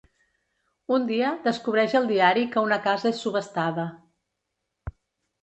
Un dia, descobreix al diari que una casa és subhastada.